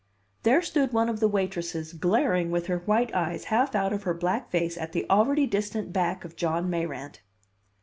There stood one of the waitresses, glaring with her white eyes half out of her black face at the already distant back of John Mayrant.